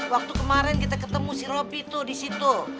waktu kemarin kita ketemu si ropi tuh di situ